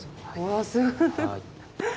わあすごい。